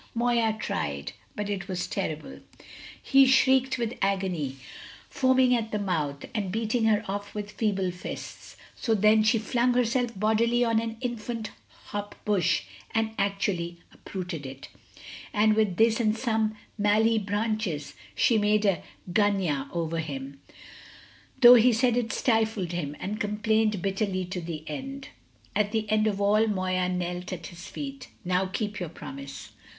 Moya tried; but it was terrible; he shrieked with agony, foaming at the mouth, and beating her off with feeble fists. So then she flung herself bodily on an infant hop bush, and actually uprooted it. And with this and some mallee branches she made a gunyah over him, though he said it stifled him, and complained bitterly to the end. At the end of all Moya knelt at his feet. "Now keep your promise."